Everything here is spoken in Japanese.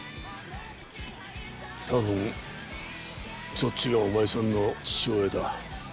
多分そっちがお前さんの父親だ。